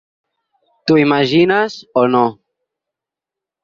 T'ho imagines o no?